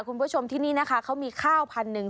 คุณผู้ชมที่นี่นะคะเขามีข้าวพันหนึ่ง